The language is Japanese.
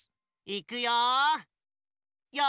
いくよ。